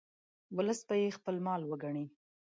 ولس به یې خپل مال وګڼي.